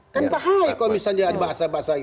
kan bahaya kalau misalnya ada bahasa bahasa